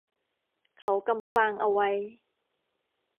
เขากำฟางเอาไว้